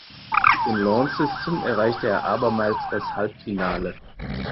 In Launceston erreichte er abermals das Halbfinale.